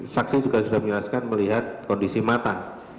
saksi juga sudah menjelaskan melihat kondisi mata